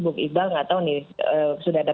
bung iqbal nggak tahu nih sudah ada